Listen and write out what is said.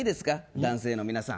男性の皆さん。